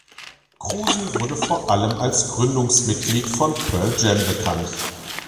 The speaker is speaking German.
Krusen wurde vor allem als Gründungsmitglied von Pearl Jam bekannt.